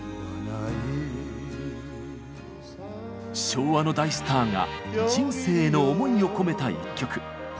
昭和の大スターが人生への思いを込めた一曲。